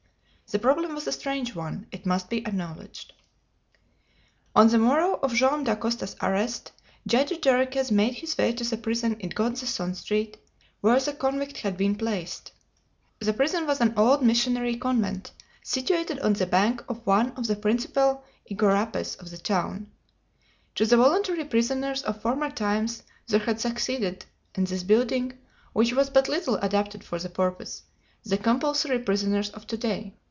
The problem was a strange one, it must be acknowledged. On the morrow of Joam Dacosta's arrest, Judge Jarriquez made his way to the prison in God the Son Street, where the convict had been placed. The prison was an old missionary convent, situated on the bank of one of the principal iguarapes of the town. To the voluntary prisoners of former times there had succeeded in this building, which was but little adapted for the purpose, the compulsory prisoners of to day.